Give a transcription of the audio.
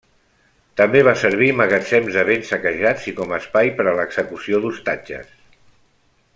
També va servir magatzem de béns saquejats i com espai per a l’execució d'ostatges.